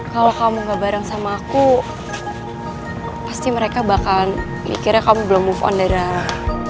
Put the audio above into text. kalau kamu gak bareng sama aku pasti mereka bakal mikirnya kamu belum move on the ra